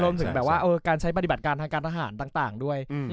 รวมถึงแบบว่าการใช้ปฏิบัติการทางการทหารต่างด้วย